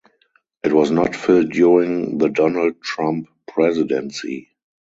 It was not filled during the Donald Trump presidency.